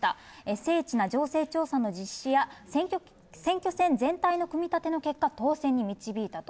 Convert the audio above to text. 精緻な情勢調査の実施や、選挙戦全体の組み立ての結果、当選に導いたと。